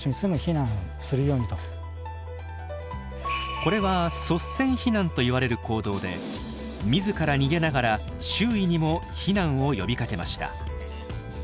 これは率先避難といわれる行動で自ら逃げながら周囲にも避難を呼びかけました。